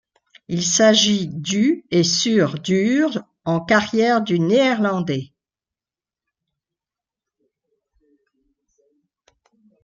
Il s'agit du et sur dur en carrière du Néerlandais.